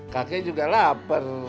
kakek juga lapar